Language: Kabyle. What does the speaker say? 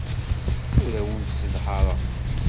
Ur awen-sseḍhareɣ.